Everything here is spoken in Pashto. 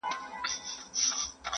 دولت وویل تر علم زه مشهور یم!.